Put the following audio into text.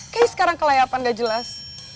kayaknya sekarang kelayapan gak jelas